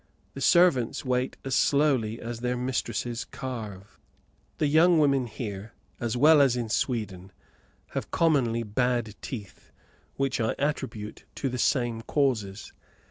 The servants wait as slowly as their mistresses carve. The young women here, as well as in Sweden, have commonly bad teeth, which I attribute to the same causes.